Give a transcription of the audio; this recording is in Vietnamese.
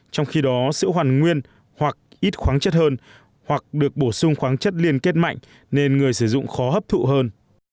trong khi đó sữa hoàn nguyên hoặc ít khoáng chất hơn hoặc được bổ sung khoáng chất liên kết mạnh nên người sử dụng khó hấp thụ hơn